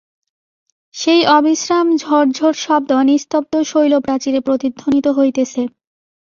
সেই অবিশ্রাম ঝর্ঝর শব্দ নিস্তব্ধ শৈলপ্রাচীরে প্রতিধ্বনিত হইতেছে।